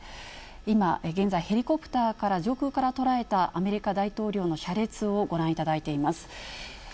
今、現在、ヘリコプターから、上空から捉えたアメリカ大統領の車列をご覧いただいています。